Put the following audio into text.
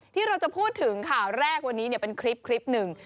ที่เราจะพูดถึงข่าวแรกวันนี้เป็นคลิปหนึ่ง